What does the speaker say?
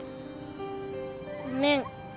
ごめん。